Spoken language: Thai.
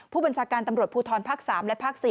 ผู้บัญชาการตำรวจภูทรภาค๓และภาค๔